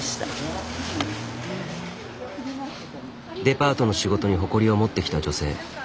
デパートの仕事に誇りを持ってきた女性。